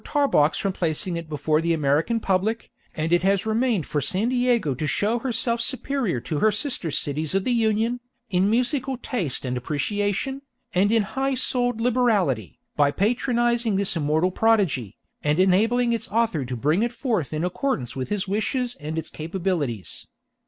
Tarbox from placing it before the American public, and it has remained for San Diego to show herself superior to her sister cities of the Union, in musical taste and appreciation, and in high souled liberality, by patronizing this immortal prodigy, and enabling its author to bring it forth in accordance with his wishes and its capabilities.